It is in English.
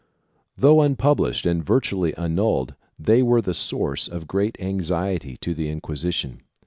Though unpub lished and virtually annulled they were the source of great anxiety to the Inquisition.